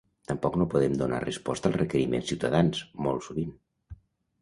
Tampoc no podem donar resposta als requeriments ciutadans, molt sovint.